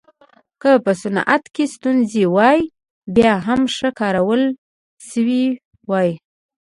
که په صنعت کې ستونزې وای بیا هم ښه کارول شوې وای.